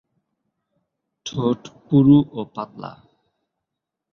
ঠোঁট পুরু ও পাতলা।